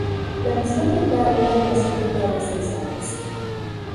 La misión tendrá una duración total de seis años.